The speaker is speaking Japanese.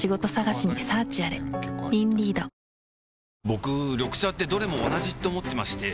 僕緑茶ってどれも同じって思ってまして